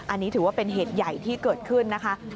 อันนี้ถือว่าเป็นเหตุใหญ่ที่เกิดขึ้นนะคะ